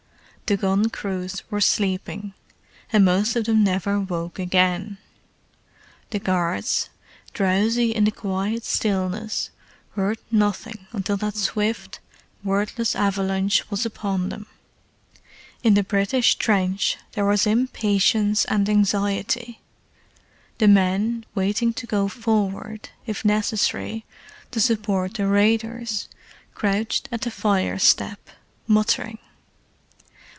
The gun crews were sleeping, and most of them never woke again: the guards, drowsy in the quiet stillness, heard nothing until that swift, wordless avalanche was upon them. In the British trench there was impatience and anxiety. The men waiting to go forward, if necessary, to support the raiders, crouched at the fire step, muttering.